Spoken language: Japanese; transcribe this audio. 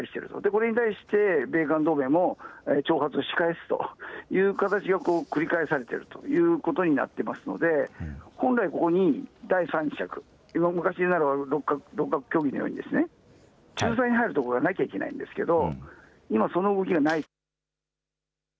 これに対して、米韓同盟も挑発し返すという形を繰り返されているということになっていますので、本来、ここに第三者、昔であれば６か国協議のように、仲裁に入るところがなきゃいけないんですけれども、今、その動きがない。